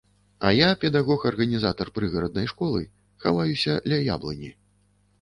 А я, педагог-арганізатар прыгараднай школы, хаваюся ля яблыні.